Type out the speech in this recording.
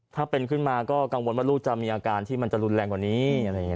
ถ้าเป็นขึ้นมาก็กังวลว่าลูกจะมีอาการที่มันจะรุนแรงกว่านี้